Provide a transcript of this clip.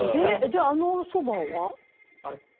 じゃああのおそばは？